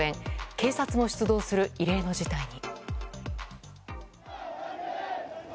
警察も出動する異例の事態に。